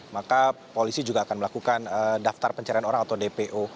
maka polisi juga akan melakukan daftar pencarian orang atau dpo